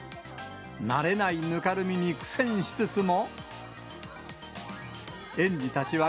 慣れないぬかるみに苦戦しつつも。